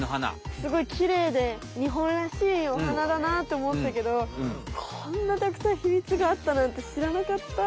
すごいきれいでにほんらしいお花だなっておもってたけどこんなたくさんひみつがあったなんてしらなかった。